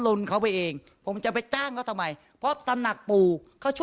ลนเขาไปเองผมจะไปจ้างเขาทำไมเพราะตำหนักปู่เขาช่วย